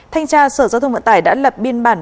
thanh tra sở giao thông vận tải đã lập biên bản